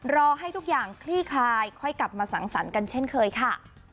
รอให้ทุกอย่างคลี่คลายค่อยกลับมาสังสรรค์กันเช่นเคยค่ะ